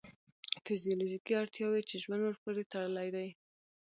فیزیولوژیکې اړتیاوې چې ژوند ورپورې تړلی دی.